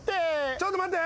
ちょっと待って。